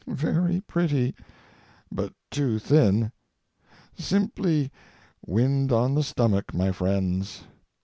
Very pretty, but too thin—simply wind on the stomach, my friends.